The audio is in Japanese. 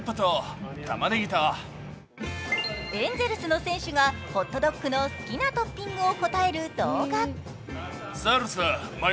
エンゼルスの選手がホットドッグの好きなトッピングを答える動画。